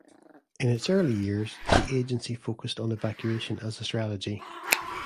In its early years, the agency focused on evacuation as a strategy.